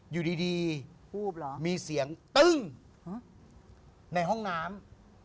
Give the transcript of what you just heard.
อยู่ดีมีเสียงตึ้งในห้องน้ำ